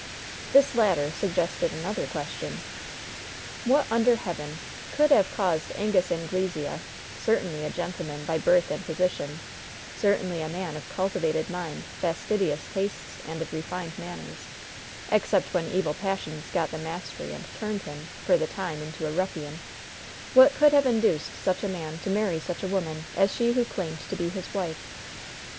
This latter suggested another question: What under heaven could have caused Angus Anglesea certainly a gentleman by birth and position; certainly a man of cultivated mind, fastidious tastes and of refined manners, except when evil passions got the mastery and turned him, for the time, into a ruffian what could have induced such a man to marry such a woman as she who claimed to be his wife?